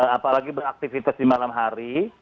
apalagi beraktivitas di malam hari